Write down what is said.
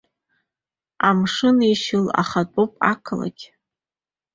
Амшын еишьыл ахатәоуп ақалақь.